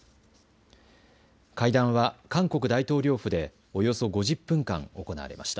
会談は韓国大統領府でおよそ５０分間行われました。